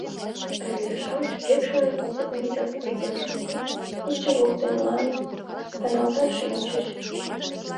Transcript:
Рвезе-шамыч Векшинын опытный участкыж дек шуычат, пече воктелан каналташ шинчыч.